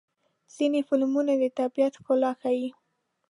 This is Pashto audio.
ځینې فلمونه د طبیعت ښکلا ښيي.